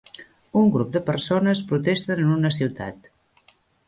Un grup de persones protesten en una ciutat.